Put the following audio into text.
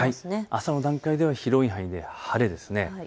朝の段階では広い範囲で晴れです。